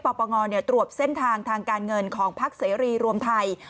ปปงตรวจเส้นทางทางการเงินของพักเสรีรวมไทย